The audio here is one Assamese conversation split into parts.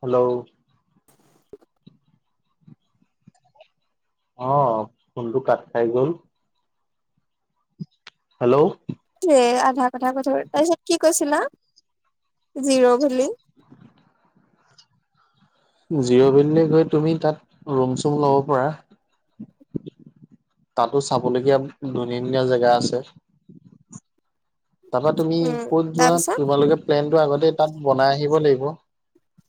হেল্লও। অ, ফোনটো কাট খাই গ'ল। হেল্লও। এ আধা কথা কোৱা পিছত তাৰ পিছত কি কৈছিলা? জিৰ' ভেলী? জিৰ' ভেলিলৈ গৈ তুমি তাত ৰুম-চুম ল'ব পাৰা। তাতো চাবলগীয়া ধুনীয়া ধুনীয়া জেগা আছে। তাপা তুমি উম ক'ত যোৱা তাৰপিছত তোমালোকে প্লেনটো আগতে তাত বনাই আহিব লাগিব।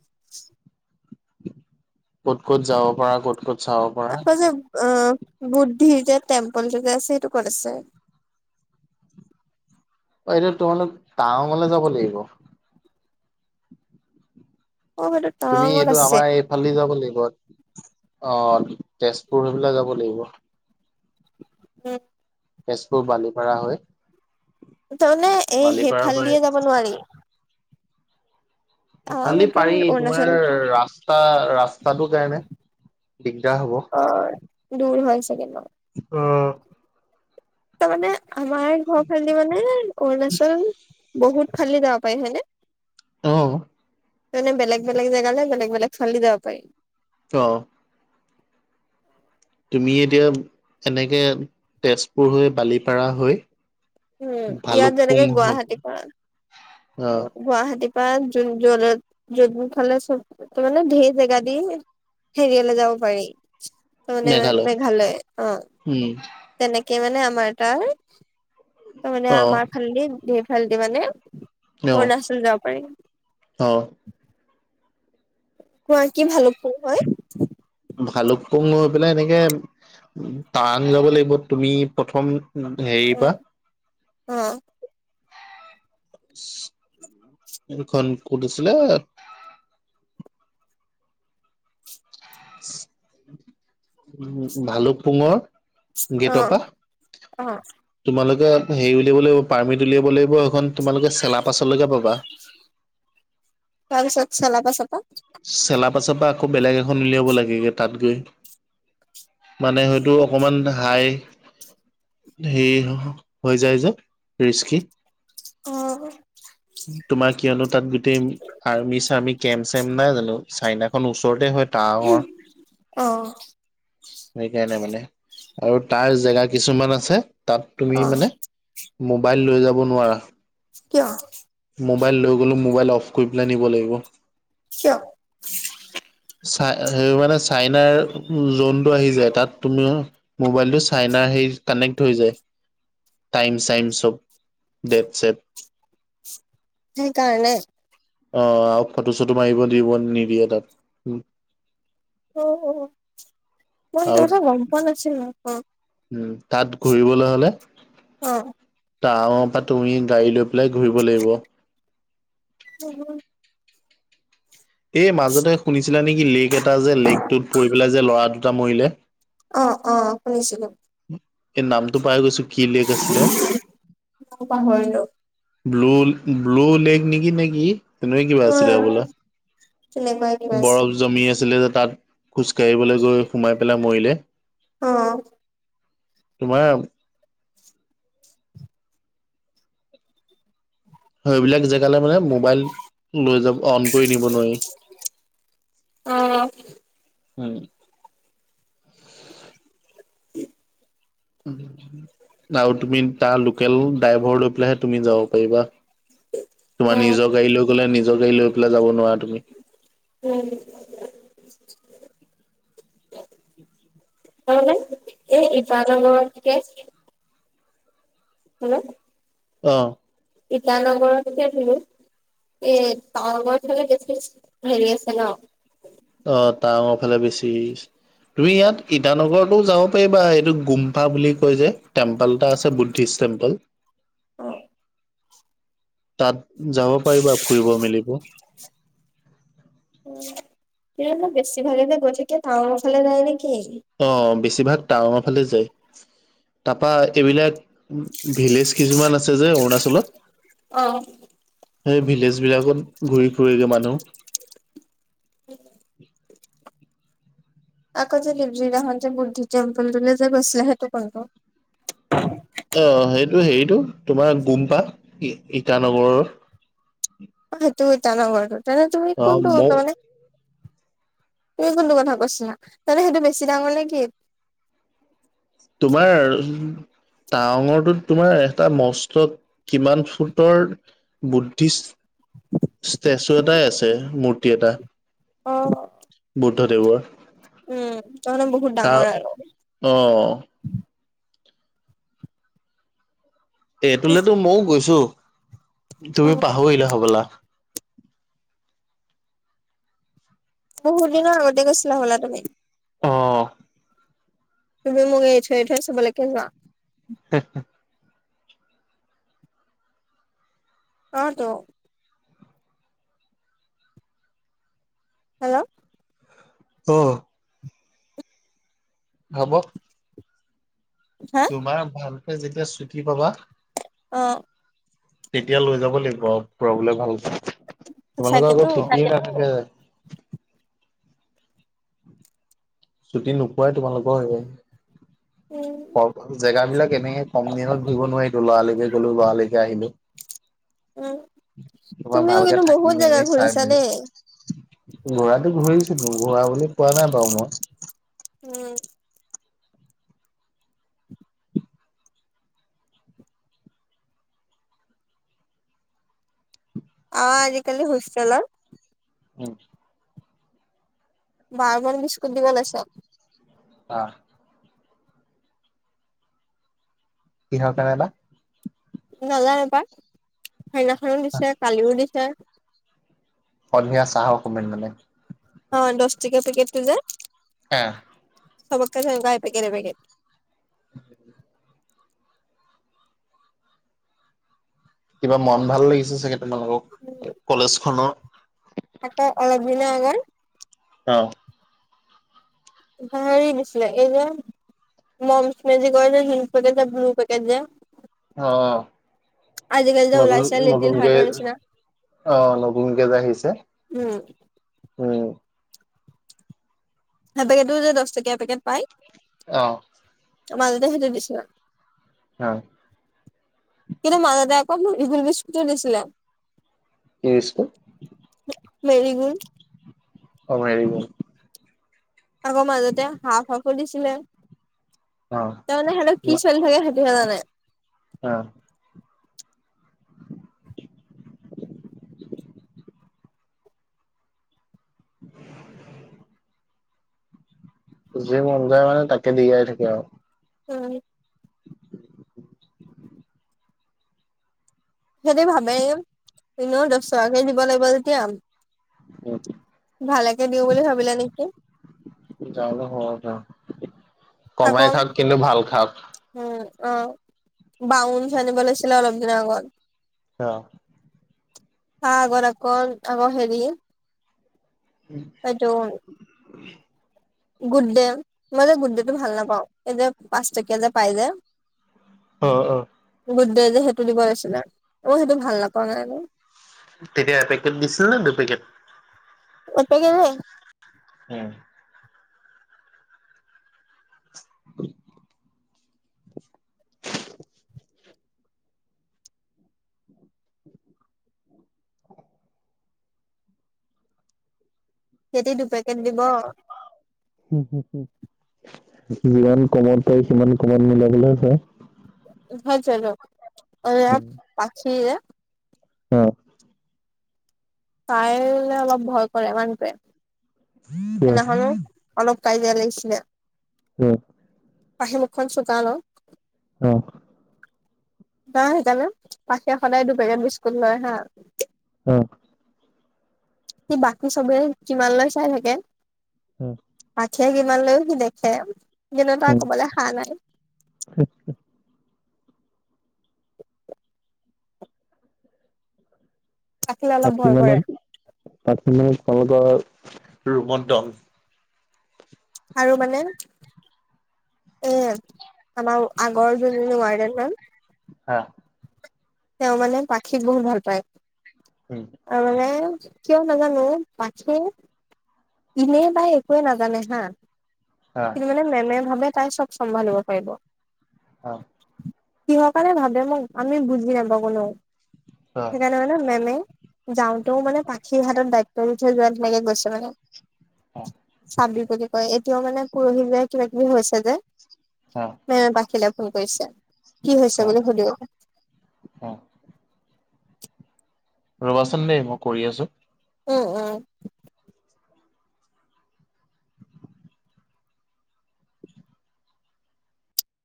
[unintelligible] ক'ত ক'ত যাও বা ক'ত ক'ত চাব পাৰা আকৌ যে আ বুদ্ধি যে টেম্পলটো যে আছে সেইটো ক'ত আছে? অ সেইটো তোমালোক টাৱনলে যাব লাগিব। অ সেইটো তুমি টাৱাঙত এইটো আছে আমাৰ এইফালদি যাব লাগিব। অ তেজপুৰ হৈ পেলাই যাব লাগিব। উ তেজপুৰ বালিপাৰা হৈ তাৰমানে এই বালিপাৰা পৰা সেইফালদিয়ে যাব নোৱাৰি। ইফালদি টাৱাঙতো পাৰি তোমাৰ অৰুণাচলতো ৰাস্তা ৰাস্তাটোৰ কাৰণে দিগদাৰ হ'ব। অ দূৰ হৈছাগে ন? উম তাৰমানে আমাৰ ঘৰ ফালেদি মানে অৰুণাচল বহুত ফালে যাব পাৰি হয়নে? অঁ মানে বেলেগ বেলেগ জেগালে বেলেগ বেলেগ ফালেদি যাব পাৰি। অ তুমি এতিয়া সেনেকে তেজপুৰ হৈ, বালিপাৰা হৈ উম ইয়াত ভালুকপুং যেনেকে হ অ। গুৱাহাটী পা যোন জলত যোনফালে চমু মানে ধেই জেগা দি হেৰিয়ালে যাব পাৰি। তাৰ মানে মেঘালয়, অ। উম, তেনেকে মানে আমাৰ তাৰ, তাৰমানে অ', আমাৰ ফালেদি ধেইফালদি মানে অৰুণাচল যাব পাৰি। অহ কোৱা কি ভালোপুঙ হয়। ভালোপুঙ হৈ পেলাই এনেকে টাৱাং যাব লাগিব তুমি প্ৰথম- হেৰি পা- অঁ এখন কত আছিলে? উ ভালুক পুংৰ অ গেত পা অ তোমালোকে হেৰি উলিয়াব লাগিব পাৰ্মিট উলিয়াব লাগিব সেইখন তোমালোকে চেলা পাছললৈকে পাবা। তাৰ পিছত ছেলা পাছ পা? চেলা পাছৰ পৰা আকৌ বেলেগ এখন উলিয়াব লাগেগে তাত গৈ। মানে হয়তো অকমান হাই হে হৈ যায় যে ৰিস্কি। অ তোমাৰ কিয়নো তাত গোটেই। আৰ্মি চাৰ্মি কেম চেম নাই জানো চাইনাখন ওচৰতে হয়। টাৱাঙৰ উমহ অ, সেইকাৰণে মানে, আৰু তাৰ জেগা কিছুমান আছে তাত অ তুমি মানে। মোবাইল লৈ যাব নোৱাৰা। কিয়। মবাইল লই গলেও অফ কৰি পেলাই নিব লাগিব। কিয় চাই সেই মানে চাইনাৰ যোন- টো আহি যায় তাত তুমি মোবাইল টো চাইনাৰ হে কানেক্ট হৈ যায়। টাইম চাইম চব ডেত চেট। সেই কাৰণে অ আৰু ফটো চটো মাৰিব দিব নিদিয়ে তাত। অ মই সেইটো আৰু কথা গম পোৱা নাছিলোঁ অ। উম তাত ঘুৰিবলৈ হলে অ টাউন পৰা তুমি গাড়ী লৈ- পেলাই ঘূৰিব লাগিব। অহঁ এই মাজতে শুনিছিলা নেকি লেক এটা যে লেকটোত পৰি পেলাই যে ল'ৰা দুটা মৰিলে। অঁ অঁ শুনিছিলো। এই নামটো পাহৰি গৈছো কি লেক আছিলে। পাহৰিলো ব্ল ব্লু লেক নেকি নেকি নে কিবা আছিলে অ হ'বলা। তেনেকুৱাই। কিবা আছিল বৰফ জমি আছিলে যে তাত খোজকাঢ়িবলৈ গৈ সোমাই পেলাই মৰিলে। অঁ, তোমাৰ। সেইবিলাক জেগালৈ মানে মোবাইল লৈ যাব অন কৰি নিব নোৱাৰি। অহ। হুম। [unintelligible] আৰু তুমি তাৰ লোকেল ড্ৰাইভৰ লৈ পেলাইহে তুমি যাব পাৰিবা। তোমাৰ নিজৰ গাড়ী লৈ গলে নিজৰ গাড়ী লৈ পেলাই যাব নোৱাৰা তুমি। উম তাৰবাবে এই এফালৰ ঘৰতকে হুম, অ, ইটানগৰত গোটেই ঘূৰিলোঁ। এ তাৱাংঙৰ পিনে বেছি হেৰি আছে ন। অ তাৱাংঙৰ ফালে বেছি। তুমি ইয়াত ইটানগৰতো যাব পাৰিবা এইটো গুমফা বুলি কয় যে টেম্পল এটা আছে বু ধিছ ষ্টেম্পল। অ। তাত যাব পাৰিবা ফুৰিব মেলিব। বেছি ভাগে যে গৈ থাকে ৰৱাঙৰ ফালে যাই নেকি? অ বেছিভাগ টাৱাঙৰ ফালে যায়। তাৰপা এইবিলাক ভিলেজ কিছুমান আছে যে অৰুণাচলত। অহ। সেই ভিলেজ বিলাকত ঘূৰি ফুৰেগে মানুহ। [unintelligible] আকৌ যে যোনদিনা খন যে মোৰ বুদ্ধ তেম্পললে যে গৈছিলে সেইটো কোনটো? অ সেইটো হেৰিতটো তোমাৰ গুম্পা ইটানগৰৰ। অ সেইটো ইটানগৰৰ তেনে তুমি অ', কোনটো মৌ মানে তুমি কোনটো কথা কৈছা? তামানে সেইটো বেছি ডাঙৰ নে কি? তোমাৰ তাৱাঙৰটো তোমাৰ এটা মস্ত কিমান ফুটৰ বুদ্ধিষ্ট ষ্টেচু এটাই আছে মূৰ্তি এটা। অ। বুদ্ধদেৱৰ। উম তই মানে বহুত তা ডাঙৰ আৰু অ এটোলেতো মইও গৈছো তুমি অ পাহৰিলা হবলা। বহুত দিনৰ আগতে গৈছিলা হ'বলা তুমি। অহ। তুমি মোক অৰিঠৈ আৰিঠৈ চবলেকে যোৱা। [unintelligible] অ টো। হেল্ল'। অহ। হ'ব। হা তোমাৰ ভালকে যেতিয়া ছুটি পাবা, অ। তেতিয়া লৈ যাব লাগিব ফুৰাবলে ভালকে। তোমালোকৰ আকৌ সঁচাকেতো চুতিয়ে নাথাকে। ছুটি নোপোৱাই তোমালোকৰ সেইয়ে। উম। জেগা বিলাক এনেকে কম দিনত ঘুৰিব নোৱাৰিটো লৰালৈকে গ'লো লৰা লৰিকে আহিলো। উম তোমাৰ তুমিও ভালকে কিন্তু বহুত থাকি জেগা মেলি চাই ঘূৰিছা মেলি, দেই ঘোৰাটো ঘূৰিছিলো ঘূৰা বুলি কোৱা নাই বাৰু মই। উম। অ আজিকালি হোষ্টেলত। উম। বাৰবন বিস্কুট দিব লৈছোঁ। আ কিহৰ কাৰণে বা নাজানো পাই সেইদিনা খনো দিছে কালিও দিছে সন্ধিয়া চাহৰ সময়ত মানে অ দচ টকীয়া পেকেট টো যে এহ চবকে হেনকা এপেকেট এপেকেট কিবা মন ভাল লাগিছে চাগে তোমালোকক কলেজ খনৰ আকৌ অলপ দিনৰ আগত অহ হেৰি দিছিলে এই যে মমছ মেজিকৰ যে সেই থাকেযে ব্লু পেকেট যে অ আজিকালি যে লগোণ ওলাইছে লিটিল লগোণ যে হাৰ্টৰ নিচিনা অ লগোনকে যে আহিছে উম উম সেতৰ এটোও যে দচ টকীয়া পেকেট পায় অ মাজতে সেটো দিছিলে হয় কিন্তু মাজতে আকৌ ইগোল বিস্কুট টো দিছিলে কি বিস্কু মেৰি গুল। অ মেৰিগল। আকৌ মাজতে হাফ হাফো দিছিলে। অ তাৰমানে সিহঁতৰ কি চলি থাকে সেতিহে জানে। অহ। [unintelligible] যি মন যায় মানে তাকে দিয়াই থাকে আৰু নাজানো সিহতি ভাবেই এনেও দছ টকাকে দিব লাগিব যেতিয়া ভালেকে দিও বুলি ভাবিলে নেকি যানো হব পাৰে আকৌ কমাই খাওক কিন্তু ভাল খাওক উম অ বাউনচ্ আনিব লাগিছিলে অলপ দিনৰ আগত অ তা আগত আকল আগ হেৰি উম সেইটোন গুডডে মই গুড ডেটো ভাল নাপাওঁ এই যে পাঁচটকীয়া যে পাই যে। অহ, অহ। গুড ডে যে সেইটো দিব লৈছিলে অ সেইটো ভাল নাপাও কাৰণে তেতিয়া এ পেকেট দিছিল ন দুপেকেট। এপেকেটেই উম [unintelligible] [unintelligible] সেতি দুপেকেট দিব। হোঁ হোঁ হোঁ যিমান কমত পাৰি সিমান কমত মিলাবলৈ হে চায় হয় জাইল অয়া পখিয়ে অহ', তাইলে অলপ ভয় কৰে মানুহটোৱে [inaudible] সেইদনাখনো। কিয় অলপ কাজয়া লাগিছিলে। উম। পাহি মুখখন চোকা ন। অহ। পা সেইকাৰণে পাখিয়ে সদায় দুপেকেট বিস্কুট লয় হা। অহ', সি বাকী চবে কিমান লয় চাই থাকে। উম, পাখিয়ে কিমান লৈও সি দেখে কিন্তু তাৰ কবলে খা নাই। [inaudible] আচছা। পাখিলে অলপ পাখি ভয় মানে কৰে পাখি মানে [unintelligible] ৰুমত দন। আৰু মানে এ আমাৰ আগৰ যোনজনী ওৱাৰ্ডেন মেম হা তেওঁ মানে পাখিক বহুত ভাল পায়। উম। অ, মানে কিয় নাজানো পাখিৰ ইনে বাই একোৱে নাজানে হা হা কি মানে মেমে ভাবে তাই চব চম্ভালিব পাৰিব। আ কিহৰ কাৰণে ভাবে মোক আমি বুজি নাপাওঁ কোনেও অ সেইকাৰনে মানে আৰু মেমে যাওঁতেও মানে পাখিৰ হাতত দায়িত্ব দি থৈ যোৱা তেনেকে গৈছে মানে। অ', চাবি বুলি কয় এতিয়াও মানে পৰহি দিনা কিবা -কিবি হৈছে যে হা ত' এনে পাখিলে ফোন কৰিছে কি হৈছে বুলি সুধো [unintelligible] অহ। ৰবাচোন দে মই কৰি আছোঁ। অ', অ',